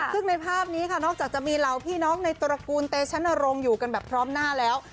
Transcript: ซึ่งในภาพนี้ค่ะนอกจากจะมีเหล่าพี่น้องในตระกูลเตชนรงค์อยู่กันแบบพร้อมหน้าแล้ว